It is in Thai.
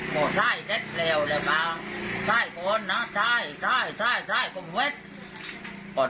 ช้าท่ายรีบสกเต็มช้ายหัวนะช้ายแกท่ายก็มาสัด